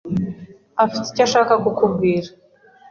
afite icyo ashaka kukubwira.